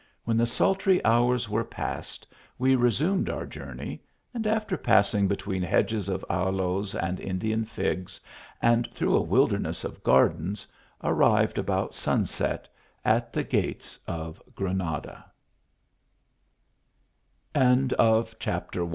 When the sultry hours were past, we resumed our journey, and after pass ing between hedges of aloes and Indian figs, and through a wilderness of gardens, arrived about sun set at the gates of